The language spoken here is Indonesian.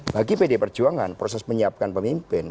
bagi pd perjuangan proses menyiapkan pemimpin